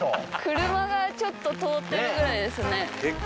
車がちょっと通ってるぐらいですね。